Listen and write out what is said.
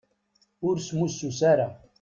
Ur smussus ara.